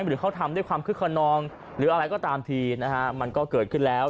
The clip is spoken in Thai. หรือเขาทำด้วยความคึกขนองหรืออะไรก็ตามทีนะฮะมันก็เกิดขึ้นแล้ว